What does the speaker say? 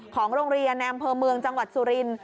ของโรงเรียนแนมเพิ่มเมืองจังหวัดสุริน